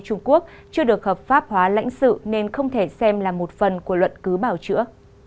trung quốc chưa được hợp pháp hóa lãnh sự nên không thể xem là một phần của luận cứ bảo chữa